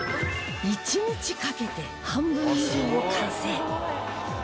１日かけて半分以上を完成